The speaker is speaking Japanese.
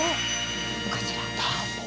こちら。